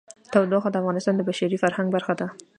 تودوخه د افغانستان د بشري فرهنګ برخه ده.